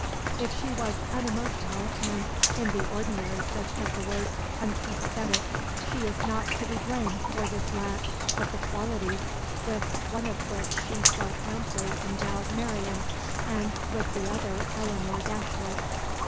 If she was unemotional and, in the ordinary sense of the word, unsympathetic, she is not to be blamed for this lack of the qualities with one of which she so amply endowed Marianne and with the other Elinor Dashwood.